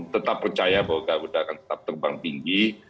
tetap percaya bahwa garuda akan tetap terbang tinggi